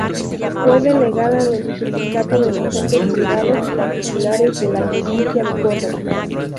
Fue delegada del Sindicato de Docentes Privados y Particulares de la provincia de Córdoba.